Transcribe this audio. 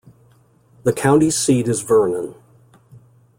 The county seat is Vernon.